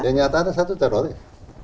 yang nyata ada satu teroris